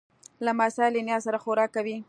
لمسی له نیا سره خوراک کوي.